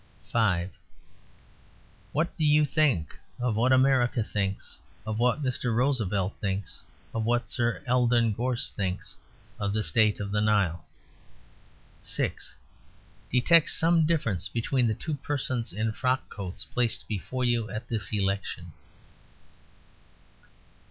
V. What do you think of what America thinks of what Mr. Roosevelt thinks of what Sir Eldon Gorst thinks of the state of the Nile? VI. Detect some difference between the two persons in frock coats placed before you at this election."